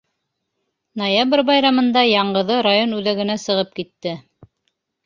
Ноябрь байрамында яңғыҙы район үҙәгенә сығып китте.